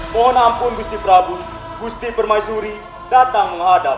pohon ampun gusti prabu gusti permaisuri datang menghadap